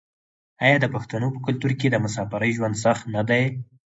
آیا د پښتنو په کلتور کې د مسافرۍ ژوند سخت نه دی؟